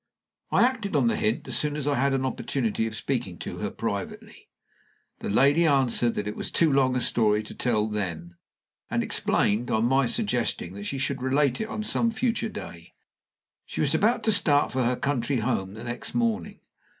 I acted on the hint as soon as I had an opportunity of speaking to her privately. The lady answered that it was too long a story to tell then, and explained, on my suggesting that she should relate it on some future day, that she was about to start for her country home the next morning.